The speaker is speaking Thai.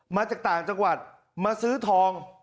มาจากต่างจังหวัดมาซื้อทอง